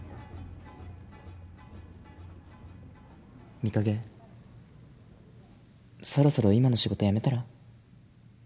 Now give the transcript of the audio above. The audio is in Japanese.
美影そろそろ今の仕事やめたら？